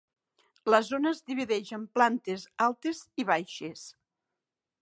La zona es divideix en plantes altes i baixes.